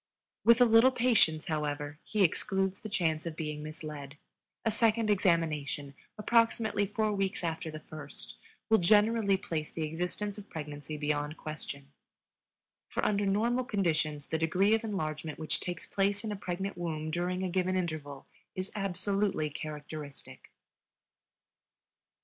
With a little patience, however, he excludes the chance of being misled; a second examination, approximately four weeks after the first, will generally place the existence of pregnancy beyond question, for under normal conditions the degree of enlargement which takes place in a pregnant womb during a given interval is absolutely characteristic.